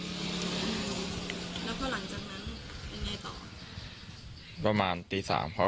แล้วพอหลังจากนั้นเป็นอย่างไรต่อ